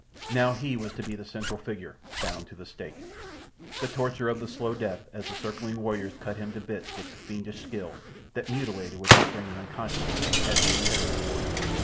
Now he was to be the central figure, bound to the stake. The torture of the slow death as the circling warriors cut him to bits with the fiendish skill, that mutilated without bringing unconsciousness, had no terrors for him.